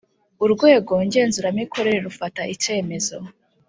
Urwego Ngenzuramikorere rufata icyemezo